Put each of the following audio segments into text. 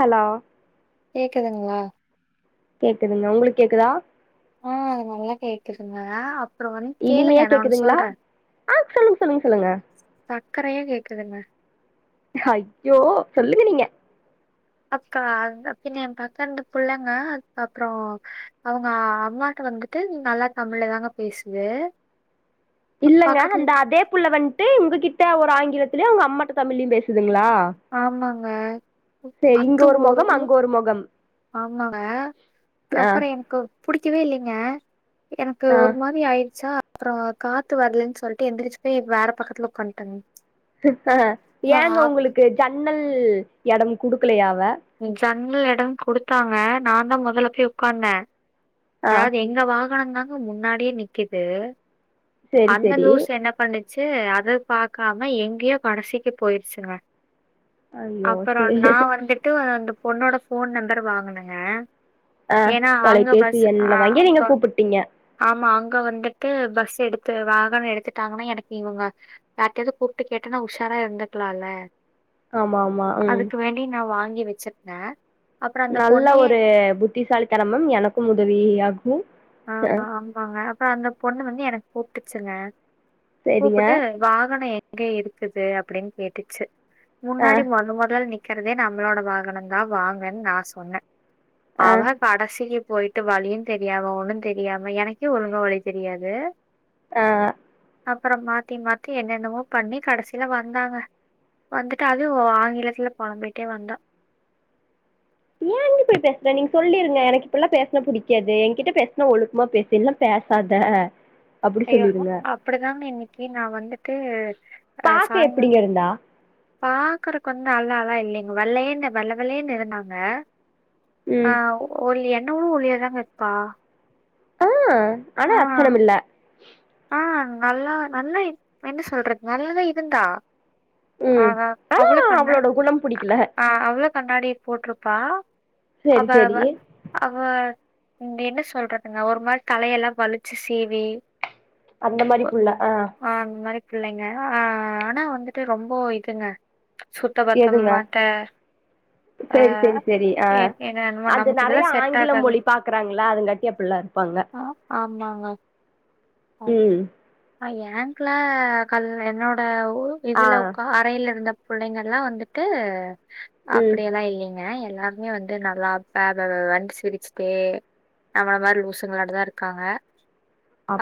hello கேக்குதுங்ளா கேக்குதுங்க உங்களுக்கு கேக்குதா ஆ நல்லா கேக்குதுங்க அப்றோ வந்து இனிமையா கேளுங்க நா ஒன்னு கேக்குதுங்களா சொல்ற ஆ சொல்லுங்க சொல்லுங்க சொல்லுங்க சக்கரையா கேக்குதுங்க ஹையோ சொல்லுங்க நீங்க அக்கா ரொப்பினியன்காக்கா இருந்த புள்ளைங்க அதுக்கப்றோ அவுங்க அ அம்மாட்ட வந்து ட்டு நல்லா தமிழ்ல தாங்க பேசுது [inaudible] அப்ப இல்லங்க பக்கத்துல அந்த அதே புள்ள வந்ட்டு உங்ககிட்ட ஒரு ஆங்கிலத்துலயு அவ்ங்க அம்மாட்ட தமிழ்லயு பேசுதுங்ளா ஆமாங்க ஒரு மொகம் அங்க ஒரு மொகம் ஆமாங்க ஆ கப்பற எனக்கு புடிக்கவே இல்லைங்க எனக்கு ஆ ஒரு மாரி ஆயிருச்சா அப்பறோ காத்து வர்லன் சொல்ட்டு எந்திரிச்சு போய் வேற பக்கத்துல உக்கந்துட்டங்க ஆ ஏங்க உங்களுக்கு ஜன்னல் எடம் குடுக்கலையா அவ ஜன்னல் எடோ குடுத்தாங்க நா தா மொதல்ல போய் உக்காந்தே ஆ அதாவது எங் க வாகனோ தாங்க முன்னாடியே நிக்குது சரி அந்த சரி லூஸ் என்ன பண்ணிச்சு அத பாக்காம எங்கயோ கடைசிக்கு போயிருச்சுங்க ஐயோ அப்பறோ சரி நா வந்துட்டு அந்த பொண்ணோட ஃபோன் நம்பர் வாங்குனங்க ஆ ஏன்னா அங்க தொலைபேசி பஸ் எண்ல அ வாங்கி நீங்க தொ கூப்பிட்டீங்க ஆமா அங்க வந்துட்டு பஸ் எடுத்து வாகனோ எடுத்துட்டாங்கன்னா எனக்கு இவுங்க யார்ட்டையாது கூப்ட்டு கேட்டன்னா உஷாரா இருந்துக்கலால்ல ஆமா ஆமா ம் அப்டி நா வாங்கி வச்சிருந்தே நல்ல ஒரு புத்திசாலிதனமும் எனக்கும் உதவி ஆகு ஆ அ ஆமாங்க அப்பறோ அந்த பொண்ணு வந்து எனக்கு கூப்ட்டுச்சுங்க சரிங்க கூப்புட்டு வாகனோ எங்க இருக்குது அப்டின்னு கேட்டுச்சு ஆ முன்னாடி மொத மொதல்ல நிக் கிறதே நம்மளோட வாகனோந்தா வாங்கன்னு நா சொன்னே ஆ அவ கடசிக்கு போயிட்டு வழியு தெரியாம ஒன்னு தெரியாம எனக்கே ஒழுங்கா வழி தெரியாது ஆ அப்பறோ மாத்தி மாத்தி என்னென்னமோ பண்ணி கடசில வந்தாங்க வந்துட்டு அதுவு அவ ஆங்கிலத்துல பொலம்பிட்டே வந்தா ஏ நீயு இப்டி பேசுற நீங்க சொல்லிருங்க எனக்கு இப்டில்லா பேசுனா புடிக்காது என்கிட்ட பேசுனா ஒழுக்கமா பேசு இல்ல பேசாத [inaudible] ஐயோ சொல்லிருங்க அப்டிதாங்க இன்னிக்கி நா வந்துட்டு ஆ பாக்க சாய்ங்கா எப்டிங்க இருந்தா பாக்கறக்கு வந்து நல்ல எல்லா இல்லைங்க வெள்ளேனு வெள்ள வெள்ளேன்னு இருந்தாங்க ஆ ம் ஒல் என்ன விட ஒல்லியா தாங்க இருப்பா ஆ ஆ, ஆனா அச்சனம் இல்ல ஆ நல்லா நல்லா என்ன சொல்றது நல்லதா இருந்தா ஆ ம் ஹா ஆனா அவ்ள பண்ண அவளோட குணம் புடிக்கல ஆ அவ்ள கண்ணாடிய போட்டிருப்பா சரி அவ சரி வ அவ இங்க என்ன சொல்றதுங்க ஒரு மாரி தலையெல்லா வலிச்சு சீவி அந்த மாரி ஓ புள்ள ஆ அந்த மாறி பிள்ளைங்க ஆ ஆனா வந்துட்டு ரொம்ப இதுங்க சுத்த பத்தம் மாட்ட சேரி சேரி சேரி ஆ எ என்னமோ அது நமக்கு நெறைய இதெல்லா செட் ஆங்கிலம் ஆகாது மொழி பாக்குறாங்கல்ல அதுங்காட்டி அப்டில்லா இரு பங்க ஆ ஆமாங்க ஆய்ச்சி ம் ஆ ஏங்ல கல் என்னோட ஓ ஆ இதுல உக்கா கடேல இருந்த பிள்ளைங்கல்லா வந்துட்டு ம் அப்டியெல்லா இல்லைங்க ஆ எல்லாருமே வந்து நல்லா பாபாபன்னு சிரிச்சுட்டே நம்மள மாரி லூசுங்கலாட்டதா இருக்காங்க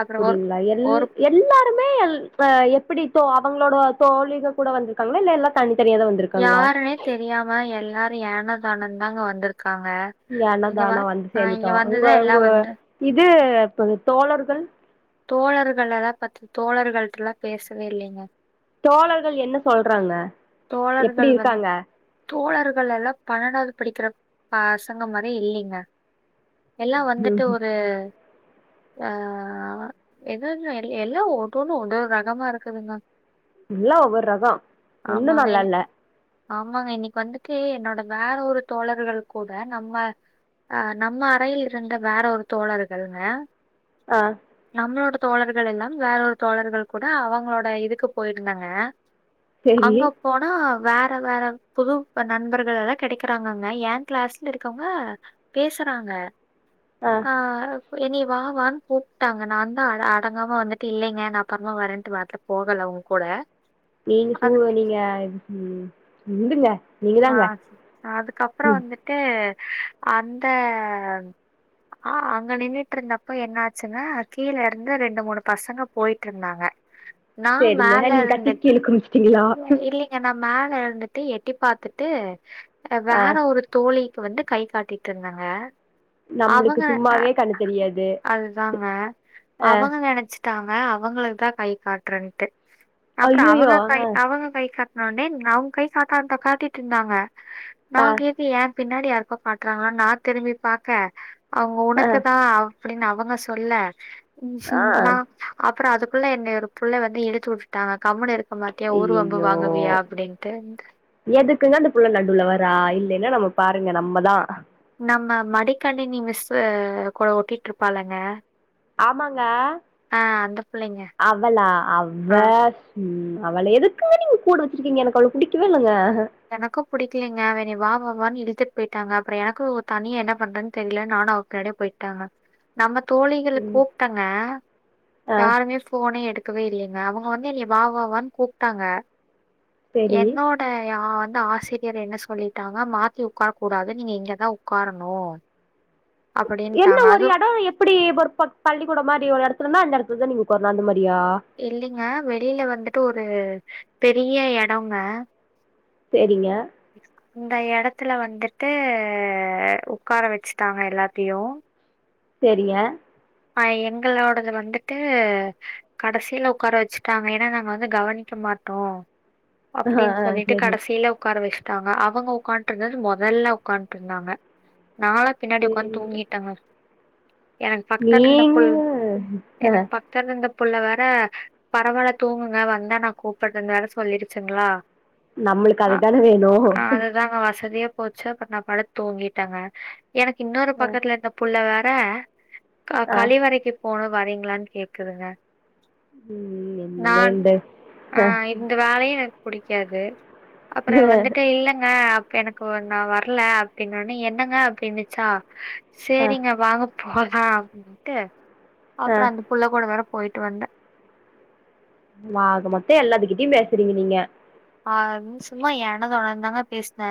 அப்புறம் ஒரு எல் ஒரு எல் எல்லாருமே எல் ஆ எப்டி தோ அவங்களோட தோழிங்க கூட வந்திருக்காங்களா இல்ல எல்லா தனித்தனியாதா வந்து யாருன்னே தெரியாம எல்லாரு ஏனோ தனோன்னு தாங்க வந்துருக்காங்க ஏனோ தானோ வந்து சேந்துட்டோ உங்க உங்க எல்லாம் வந்து இது இப்ப தோழர்கள் தோழர்களல்லா பாத்து தோழர்களிட்டல்லா பேசவே இல்லைங்க தோழர்கள் என்ன சொல்றாங்க எப்டி தோழர்கள் வந் இருக்காங்க தோழர்கள் எல்லா பண்ணடாவது படிக்கிற பசங்க மாரியே இல்லங்க எல்லா ம் வந்துட்டு ஒரு அ எது இல்ல எல்லா ஒன்னு ஒண்ணு ஒது ரகமா இருக்குதுங்க எல்லா ஒவ்வொரு ரக ஆமாங்க ஆமாங்க இன்னைக்கு வந்துட்டு என்னோட வேற ஒரு தோழர்கள் கூட நம்ம அ நம்ம அறையில் இருந்த வேற ஒரு தோழர்கள்ங்க அ நம்மளோட தோழர்கள் எல்லா வேற ஒரு தோழர்கள் கூட அவங்களோட இதுக்கு போயிருந்தாங்க செரி அங்க போனா வேற வேற புது நண்பர்கள் எல்லா கெடைக்கிறாங்கங்க எ கிளாஸ்ல இருக்கவங்க பேசுறாங்க ஆ அ என்னைய வா வான்னு கூப்ட்டாங்க நா தா அ அடங்காம வந்துட்டு இல்லேங்க நா அப்புறமா வரேன்ட்டு வர்ல போகல அவுங்க கூட நீங்க சு அது நீங்க விடுங்க அ அதுக்கப்புற வந்துட்டு அந்த அ அங்க நின்னுட்டு இருந்தப்ப என்ன ஆச்சுனா கீழ இருந்து ரெண்டு மூணு பசங்க போயிட்டு இருந்தாங்க நான் சேரிங்க மேல நீங்க டக்குனு கீழ குமிஞ்சுடிங்களா என்ன மேல இருந்துட்டு எட்டி பாத்துட்டு ஆ வேற ஒரு தோழிக்கு வந்து கை காட்டிட்டு இருந்தாங்க நம்ளுக்கு அவுங்க சும்மாவே கண்ணு தெரியாது அதுதாங்க அ அவுங்க நெனச்சு தாங்க அவுங்களுக்கு தா கை காட்டுறேன்ட்டு அப்புற ஐயையோ அவுங்க கை அ அவுங்க கை கா னோனே அவுங்க கை காத்தா காட்டிட்டு இருந்தாங்க நா அ கே என் பின்னாடி யாருக்கோ காட்டுறாங்களானு நா திரும்பி பாக்க அவுங்க அ உனக்குதா அப்டின்னு அவுங்க சொல்ல ஆ ம் [unintelligible] அப்புற அதுக்குள்ள என்ன ஒரு புள்ள வந்து இழுத்து வுட்டுட்டாங்க கம்னு இருக்க மாட் டியா ஊர் வம்பு ஐயையோ வாங்குவியா அப்டின்னுட்டு எதுக்குங்க அந்த புள்ள நடுவுல வரா இல்லேன்னா நம்ம பாருங்க நம்மதா நம்ம மடிக்கணினி மிஸ்சு கூட ஒட்டிட்டு இருப்பாளுங்க ஆமாங்க புள்ளைங்க அவளா அவ்வ ஆ ம் அவள எதுக்குமே நீங் கூட வச்சிருக்கீங்க எனக்கு அவ்ள புடிக்கவே இல்லங்க எனக்கு பிடிக்கலீங்க அவ என்னய வா வா வான்னு இழுத்துட்டு போயிட்டாங்க அப்புற எனக்கு தனிய என்ன பண்றேன்னு தெரியல நானு அவக்கூ [unintelligible] போயிட்டாங்க நம்ம தோழிகள ம் கூப்டங்க ஆ யாருமே ஃபோனே எடுக் க்கவே இல்லைங்க அவுங்க வந்து என்னைய வா வா வான்னு கூப்பிட்டாங்க செரி என்னோட் ட யா வந்து ஆசிரியர் என்ன சொல்லிட்டாங்க மாத்தி ஒக்கார கூடாது நீங்க இங்கதா ஒட்காரணு என்ன ஒரு இடம எப்டி ஒரு ப பள்ளிக்கூட மாரி ஒரு எடத்துலனா அந்த எடத்துலதா நீங்க ஒட்காரனு அந்த மாரியா இல்லிங்க வெளில வந்துட்டு ஒரு பெரிய எடம்ங்க சேரிங்க இந்த எடத்துல வந்துட்டு உட்கார வச்சுட்டாங்க எல்லாத்தையு சேரிங்க அ எங்களோடது வந்துட்டு கடசில உட்கார வச்சுட்டாங்க ஏன்னா நாங்க வந்து கவனிக்க மாட்டோ ஆ அப்டின் ஆ சொல்லிட்டு செரி கடைசில உட்கார வச்சட்டாங்க அவுங்க உட்கான்ட்டு இருந்தது முதல்ல உட்கான்ட்டு இருந்தாங்க நாலா பின்னாடி உக்காந் சேரி தூங்கிட்டாங்க எனக் நீங்க தெர்ல இந்த புள்ள வேற பரவால்ல தூங்குங்க வந்தா நா கூப்பிட்றேனு வேற சொல்லிருச்சுங்ளா நம்மளுக்கு அ அதுதானே வேணு ஆ அதுதாங்க வசதியாப் போச்சு அப்புற நா படுத் தூங்கிட்டேங்க எனக்கு இன்னொரு அ பக்கத்துல இருந்த புள்ள வேற க ஆ கழிவறைக்கு போணு வரீங்களான் கேக்குதுங்க ம் என்னங்க நானு இந்த ஆ அ இந்த வேலையு எனக்கு புடிக்காது அப்புற வந்துட்டு இல்லங்க எனக்கு ஒ நா வர்ல அப்டின்னொன்னே என்னங்க அப்டின்னிச்சா அ செரிங்க வாங்க போலா அப்பிடின்ட்டு அ அப்ற அந்த புள்ள கூட வேற போயிட்டு வந்தே ஆக மொத்தோ எல்லாத்துக்கிட்டியு பேசுறீங்க நீங்க ஆ சும்மா ஏனோ தானோந்தாங்க பேஸ்ன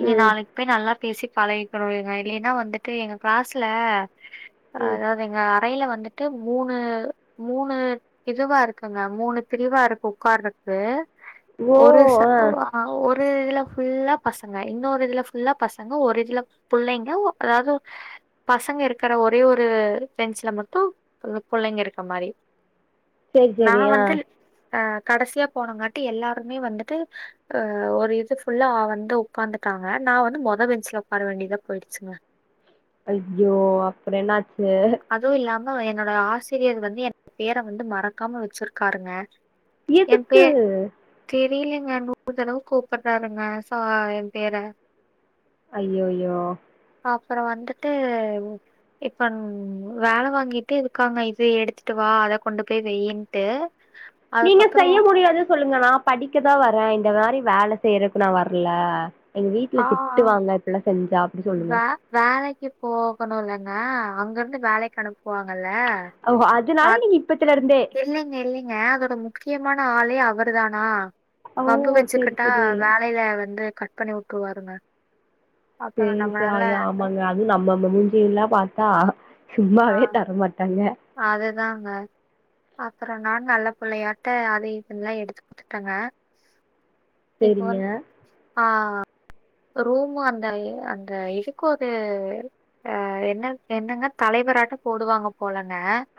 இனி ம் நாளைக் போய் நல்லா பேசி பழகிக்கணு இல்லிங்க இல்லைன்னா வந்துட்டு எங்க க்ளாஸ்ல ம் அதாவது எங்க அறையில வந்துட்டு மூணு மூணு இதுவா இருக்குங்க மூணு பிரிவா இருக்கு உக்காரத்து ஓ ஒரு ச ஆ ஒ அ ஒரு இதுல்ல ஃபுல்லா பசங்க இன்னொரு இதுல ஃபுல்லா பசங்க ஒரு இதுல புள்ளைங்க ஒ அதாவ்து பசங்க இருக்கிற ஒரே ஒரு பெஞ்ச்ல மட்டு ப புள்ளைங்க இருக்க மாரி சேரி நா சேரி ஆ வந்து ஆ கடைசியா போனங்காட்டி எல்லாருமே வந்துட்டு ஆ ஒரு இது ஃபுல்லா வந் து உக்காந்துட்டாங்க நா வந்து மொத பெஞ்ச்ல உக்கார வேண்டியதா போயிடுச்சுங்க ஐயோ அப்புற என்னாச்சு அதுவு இல்லாம என்னோட ஆசிரியர் வந்து எ பேர வந்து மறக்காம வெச்சிருக்காருங்க எம் பே எதுக்கு தெரிலெங்க நூறு தடவ கூப்பிற்றாருங்க சா எம் பேர அய்யோயோ அப்புற வந்துட்டு இப்பன் வேல வாங்கிட்டே இருக்காங்க இது எடுத்துட்டு வா அத கொண்டு போய் வெயின்ட்டு நீங்க செய்ய முடியாது சொல்லுங்க நா படிக்கதா வரே இந்த மாரி வேல செய்யறக்க் நா வரல எங்க வீட்ல ஆ ஆ திட்டுவாங்க இப்பில்லா செஞ்சா அப்புடி சொல்லுங்க வே வேலைக்கு போகணுலங்க அங்க இருந்து வேலைக்கு அனுப்புவாங்கல ஓஹோ அதுனால நீங்க இப்பத்துலருந்தே இல்லைங்க இல்லைங்க அதோட முக்கியமான ஆளே அவரு தானா ஓ வம்பு சேரி வெச்சிக்கிட்டா சேரி வேலையில வந்து கட் பண்ணி வுட்ருவாருங்க செரி செ ஐயோ ஆமாங்க அ து நம்ம நம்ய மூஞ்சியெல்லா பாத்தா ஆ சும்மாவே தரமாட்டாங்க அதுதாங்க அப்புறோ நான் நல்ல புள்ளையாட்ட அது இதுன்லா எடுத்து குடுத்தங்க இப்ப சேரிங்க வந் ஆ ரூமு அந்த அ அந்த எதுக்கோ அது அ என்ன என்னங்க தலைவராட்ட போடுவாங்க போலங்க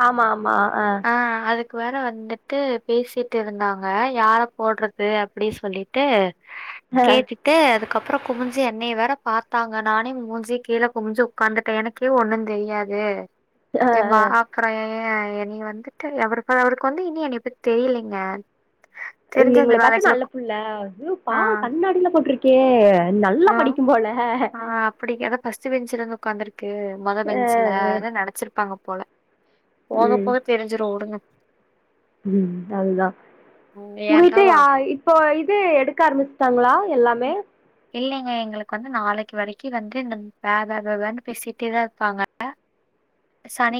ஆமா ஆமா ஆ ஆ அதுக்கு வேறு வந்துட்டு பேசிட்டு இருந்தாங்க யார போட்றது அப்படி சொல்லிட்டு கேட்டு ட்டு அதுக்கப்புறம் குமிஞ்சி என்னை வேற பார்த்தாங்க நானே மூஞ்ச கீழ குமிஞ்சு உட்காந்துட்டேன் எனக்கே ஒன்னும் தெரியாது ஆ ஆ இது ஏமா ஆ அ ற ஏன் இனி வந்துட்டு அவருக்கு அவருக்கு வந்து இனி என்னப் பத்தி தெரியலைங்க தெரிஞ்ச நீங்கள இந்த பாத்தா வேலைக்குள்ள நல்ல கு- புள்ள பா ஆ வாவ் கண்ணாடியலாம் போட்ருக் கே நல்லா படிக்கும்போல அப்டி அதா ஃபர்ஸ்ட் பெஞ்சுல வந்து உக்காந்துருக்கு மொத ஆ பெஞ்ச்ல ஆ அதா நினச்சிருப்பாங்க போல போக ம் போக தெரிஞ்சிரும் வுடுங்க ம் அதுதா உங்ககிட்ட யா ஏன்டா இப்போ இது எடுக்க ஆரம் பிச்சாங்ளா எல்லாமே இல்லேங்க எங்களுக்கு வந்து நாளைக்கு வரைக்கு வந்து இந்த வ வ வ னு பேசிட்டே தான் இருப்பாங்க அ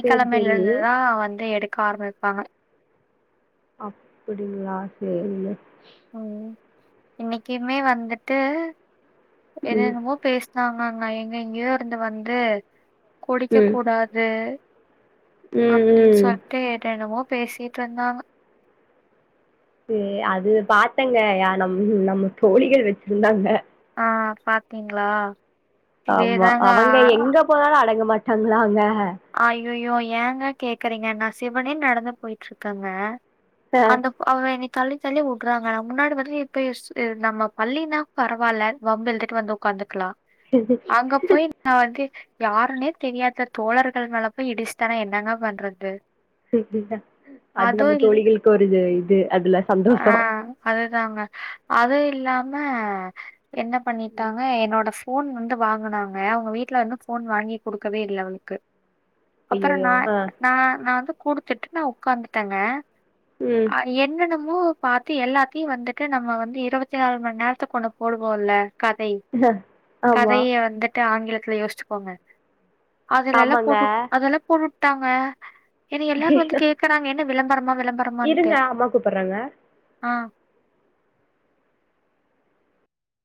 சேரி சேரி இருந்துதான் வந்து எடுக்க ஆரம்பிப்பாங்க அப்புடிங்களா செரிங்க ம் இன்னைக்குமே வந்துட்டு என்ன ம் என்னமோ பேஸ் னாங்கங்க எங்க எங்கயோ இருந்து வந்து குடிக்க ம் கூடாது ம் அப்டின்னு ம் சொல்ட்டு என்ன என்னமோ பேசிட்டு இருந்தாங்க ச அது பாத்தங்க ஐயா நம் நம்ம தோழியே வச்சிருந்தாங்க ஆ பாத்தீங்களா ஆமா இதேதாங்க அவங்க எங்க போனாலும் அடங்க மாட்டாங்ளாங்க ஐயயோ ஏங்க கேக்குறீங்க நான் சிவனே நடந்து போயிட்டு இருக்கேங்க ஆ அந்த அவுக என்ன தள்ளி தள்ளி வுட்டுறாங்க ந முன்னாடி வந்து இப்பய நம்ம பள்ளினா பரவாயில்ல வம்பு இழுத்துட்டு வந்து உக்காந்துக்கலாம் அங்க போய் நா வந்து யாருன்னே தெரியாத தோழர் கள் மேல போய் இடிச்சிட்டனா என்னங்க பண்றது அது அதுவு நம்ம இல் தோழிகளுக்கு ஒரு இது அதுல ஆ சந்தோஷம் அதுதாங்க அது இல்லாம என்ன பண்ணிட்டாங்க என்னோட சி ஃபோன் வந்து வாங்குனாங்க அவங்க வீட்ல வந்து ஃபோன் வாங்கி கொடுக்கவே இல்ல அவளுக்கு அப்புற நா ஐயையோ ஆ நா நா வந்து குடுத்துட்டு நா ஒக்காந்துட்டேங்க ம் அ என்னன்னமோ பாத்து எல்லாத்தையும் வந்துட்டு நம்ம வந்து இருபத்தி நாலு மணி நேரத்துக்கு ஒன்னு போடுவோம்ல்ல கதை ஆமா கதையை வந்துட்டு ஆங்கிலத்துல யோசிச்சீக்கோங்க அதுல எல்லாம் ஆமாங்க அதெல்லாம் போட்டு வுட்டாங்க என்னைய எல்லாரும் வந்து கேக்குறாங்க என்ன விளம்பரமா விளம்பரமா இருங்க அம்மா கூப்புடுறாங்க ஆ